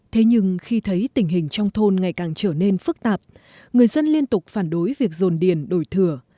thế nhưng khi thấy tình hình trong thôn ngày càng trở nên phức tạp người dân liên tục phản đối việc dồn điền đổi thừa